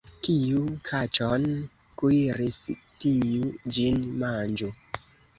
Kiu kaĉon kuiris, tiu ĝin manĝu.